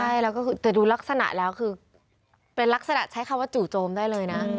ใช่แล้วก็แต่ดูลักษณะแล้วคือเป็นลักษณะใช้คำว่าจู่โจมได้เลยนะ